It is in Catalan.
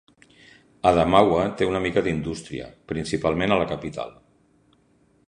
Adamawa té una mica d"indústria, principalment a la capital.